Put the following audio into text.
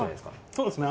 そうですね